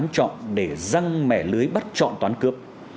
chọn để răng mẻ lưới bắt chọn toán cướp